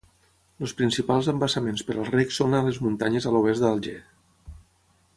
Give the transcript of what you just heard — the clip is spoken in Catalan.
Els principals embassaments per al reg són a les muntanyes a l'oest d'Alger.